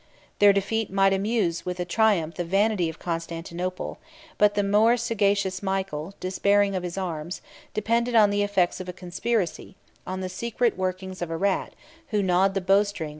Their defeat might amuse with a triumph the vanity of Constantinople; but the more sagacious Michael, despairing of his arms, depended on the effects of a conspiracy; on the secret workings of a rat, who gnawed the bowstring 39 of the Sicilian tyrant.